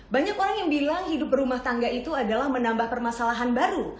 banyak orang yang bilang hidup berumah tangga itu adalah menambah permasalahan baru